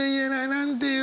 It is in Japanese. なんて言う？